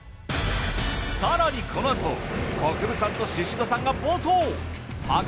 更にこのあと国分さんと宍戸さんが暴走！